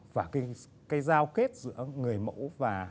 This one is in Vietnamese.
và cái giao kết giữa người mẫu và